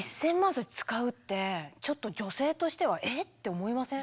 それ使うってちょっと女性としては「え？」って思いません？